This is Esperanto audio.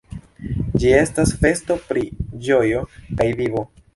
Ĝi estas festo pri ĝojo kaj vivo.